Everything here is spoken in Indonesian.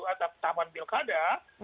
atau tahapan pilkada